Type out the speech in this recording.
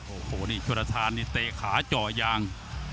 โอ้โหนี่ชวนธรรมนี่เตะขาเจาะยาง